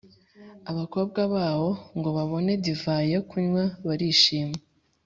abakobwa bawo, ngo babone divayi yo kunywa barishima